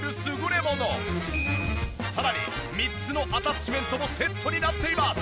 さらに３つのアタッチメントもセットになっています。